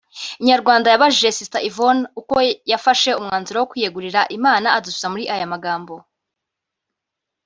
Inyarwanda yabajije Sister Yvonne uko yafashe umwanzuro wo kwiyegurira Imana adusubiza muri aya magambo